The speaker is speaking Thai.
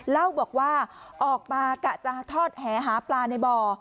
เล่าบอกว่าออกมากะจะทอดแหหาปลาในบ่อ